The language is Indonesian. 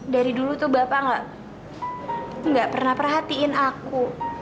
dari dulu tuh bapak nggak pernah perhatiin aku